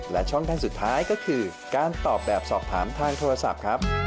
และช่องทางสุดท้ายก็คือการตอบแบบสอบถามทางโทรศัพท์ครับ